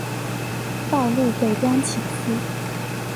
道路北端起自。